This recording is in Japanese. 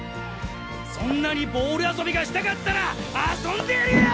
そんなにボール遊びがしたかったら遊んでやるよ！